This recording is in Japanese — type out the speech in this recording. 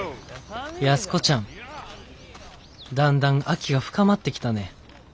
「安子ちゃん。だんだん秋が深まってきたね。